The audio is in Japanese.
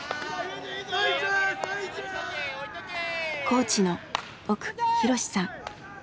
コーチの奥裕史さん。